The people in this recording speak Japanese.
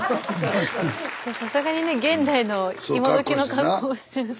さすがにね現代の今どきの格好してると。